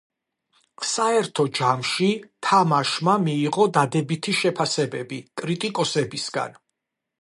საერთო ჯამში თამაშმა მიიღო დადებითი შეფასებები კრიტიკოსებისგან.